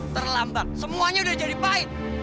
terlambat semuanya udah berakhir